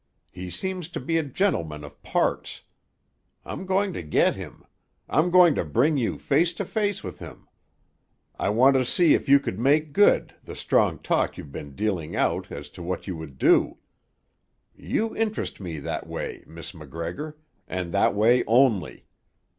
He seems to be a gentleman of parts. I'm going to get him. I'm going to bring you face to face with him. I want to see if you could make good the strong talk you've been dealing out as to what you would do. You interest me that way, Miss MacGregor, and that way only.